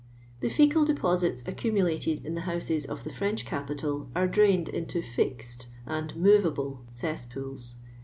The fiecal deposits : ccuumlated in the houses of tlu; French cMpit^il are drained into *• fixed" and " nio\e:ilile'* cesspools.